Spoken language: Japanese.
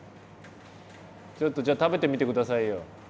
ちょっとじゃあ食べてみてくださいよ。